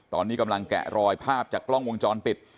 ตอนนี้กำลังแกะรอยภาพจากกล้องวงจรปิด